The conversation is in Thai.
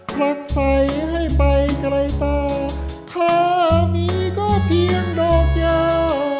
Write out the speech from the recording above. ผลักใสให้ไปไกลต่อถ้ามีก็เพียงดอกยาว